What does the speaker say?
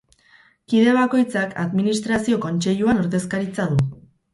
Kide bakoitzak Administrazio Kontseiluan ordezkaritza du.